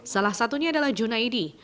salah satunya adalah junaidi